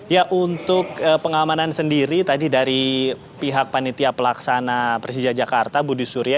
ya untuk pengamanan sendiri tadi dari pihak panitia pelaksana persija jakarta budi surya